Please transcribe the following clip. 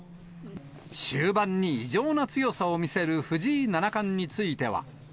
終盤に異常な強さを見せる藤井七冠については。